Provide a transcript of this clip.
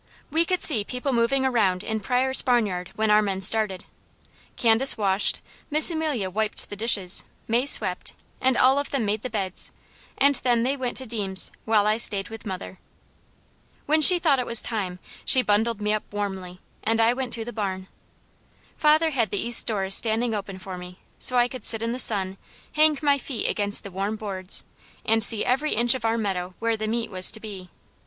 We could see people moving around in Pryors' barnyard when our men started. Candace washed, Miss Amelia wiped the dishes, May swept, and all of them made the beds, and then they went to Deams', while I stayed with mother. When she thought it was time, she bundled me up warmly, and I went to the barn. Father had the east doors standing open for me, so I could sit in the sun, hang my feet against the warm boards, and see every inch of our meadow where the meet was to be.